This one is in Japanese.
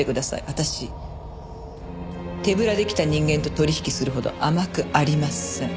私手ぶらで来た人間と取引するほど甘くありません。